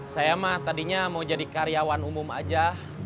saya mah tadinya mau jadi karyawan umum aja